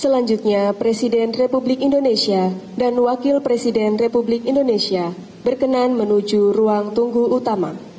lagu kebangsaan indonesia raya